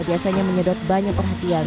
biasanya menyedot banyak perhatian